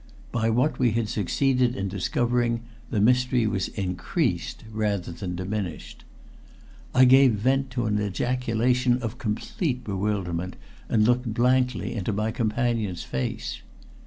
By what we had succeeded in discovering, the mystery was increased rather than diminished. I gave vent to an ejaculation of complete bewilderment, and looked blankly into my companion's face.